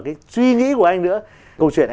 cái suy nghĩ của anh nữa câu chuyện